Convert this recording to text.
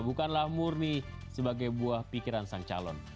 bukanlah murni sebagai buah pikiran sang calon